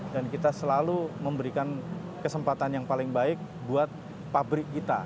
dan kita selalu memberikan kesempatan yang paling baik buat pabrik kita